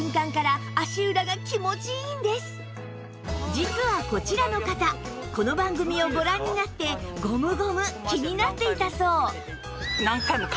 実はこちらの方この番組をご覧になってゴムゴム気になっていたそう